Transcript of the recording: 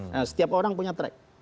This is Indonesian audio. nah setiap orang punya track